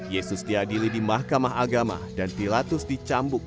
yesus diadili di mahkamah agama dan pilatus dicambuk